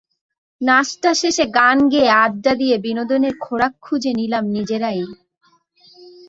নাশতা শেষে গান গেয়ে, আড্ডা দিয়ে বিনোদনের খোরাক খুঁজে নিলাম নিজেরাই।